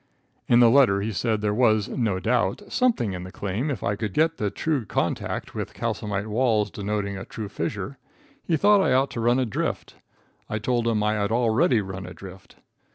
In the letter he said there was, no doubt, something in the claim if I could get the true contact with calcimine walls denoting a true fissure. He thought I ought to run a drift. I told him I had already run adrift.